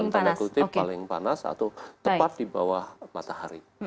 dalam tanda kutip paling panas atau tepat di bawah matahari